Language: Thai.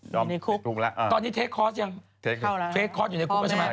อยู่ในคุกตอนนี้เทคคอร์สยังเทคคอร์สอยู่ในคุกไม่ใช่ไหม